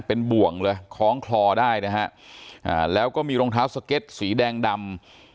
เป็นบ่วงเลยคล้องคลอได้นะฮะแล้วก็มีรองเท้าสเก็ตสีแดงดำ